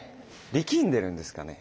力んでるんですかね？